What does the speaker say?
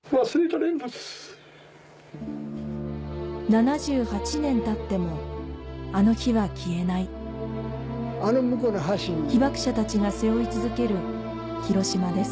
７８年たってもあの日は消えない被爆者たちが背負い続けるヒロシマです